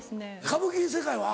歌舞伎世界は？